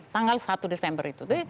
tanggal satu desember itu